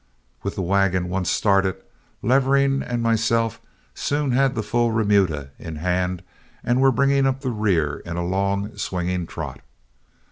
With the wagon once started, Levering and myself soon had the full remuda in hand and were bringing up the rear in a long, swinging trot.